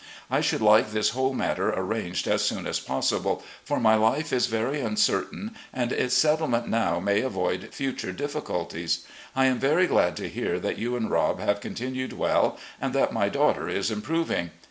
... I should Kke this whole matter arranged as soon as possible, for my life is very uncertain, and its settlement now may avoid future difficulties. I am very glad to hear that you and Rob have continued well, and that my daughter is improving.